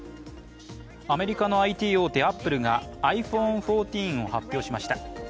アメリカのＩＴ大手アップルがｉＰｈｏｎｅ１４を発表しました。